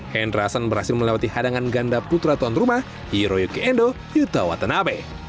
henra hasan berhasil melewati hadangan ganda putra tuan rumah hiroyuki endo yutawa tengah